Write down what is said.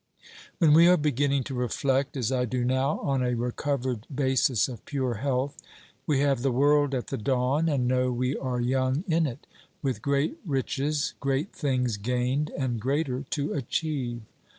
When we are beginning to reflect, as I do now, on a recovered basis of pure health, we have the world at the dawn and know we are young in it, with great riches, great things gained and greater to achieve.